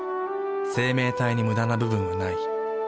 生命体にムダな部分はない。